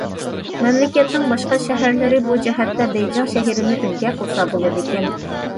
مەملىكەتنىڭ باشقا شەھەرلىرى بۇ جەھەتتە بېيجىڭ شەھىرىنى ئۈلگە قىلسا بولىدىكەن.